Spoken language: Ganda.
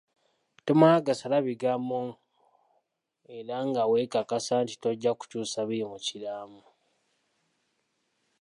Tomala gasala bigambo era nga weekakasa nti tojja kukyusa biri mu kiraamo.